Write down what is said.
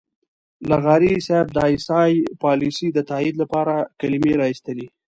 لغاري صاحب د اى ايس اى پالیسۍ د تائید لپاره کلمې را اېستلې.